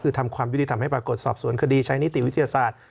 คือทำความยุติธรรมให้ปรากฏสอบสวนคดีใช้นิติวิทยาศาสตร์